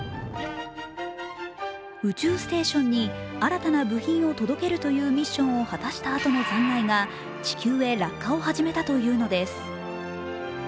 宇宙ステーションに新たな部品を届けるというミッションを果たしたあとの残骸が、地球へ落下を始めたというのです。